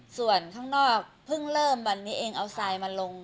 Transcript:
ส่วนข้างนอกเพิ่งเริ่มวันนี้เองเอาทรายมาลง